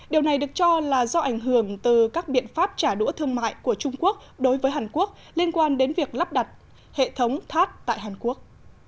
điều này được cho là do ảnh hưởng từ các biện pháp trả đũa thương mại của trung quốc đối với hàn quốc liên quan đến việc lắp đặt hệ thống tháp tại hàn quốc